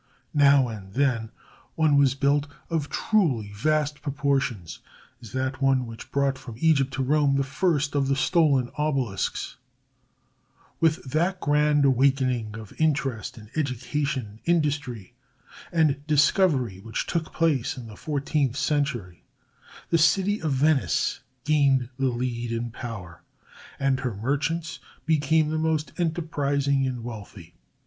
Now and then one was built of truly vast proportions, as that one which brought from Egypt to Rome the first of the stolen obelisks. [Illustration: A CAPTAIN IN THE MERCHANT MARINE.] With that grand awakening of interest in education, industry, and discovery which took place in the fourteenth century, the city of Venice gained the lead in power, and her merchants became the most enterprising and wealthy.